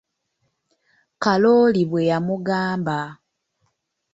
Kalooli bwe yamugamba.